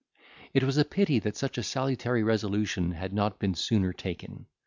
It was pity that such a salutary resolution had not been sooner taken.